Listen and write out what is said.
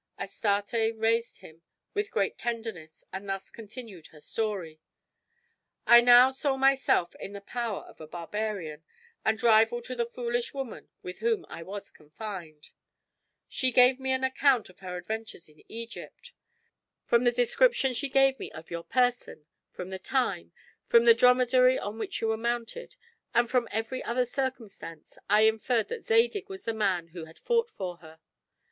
Astarte raised him with great tenderness and thus continued her story: "I now saw myself in the power of a barbarian and rival to the foolish woman with whom I was confined. She gave me an account of her adventures in Egypt. From the description she gave me of your person, from the time, from the dromedary on which you were mounted, and from every other circumstance, I inferred that Zadig was the man who had fought for her.